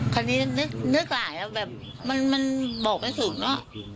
คราวนี้นึกหลายมันบอกไม่ถึงเนอะ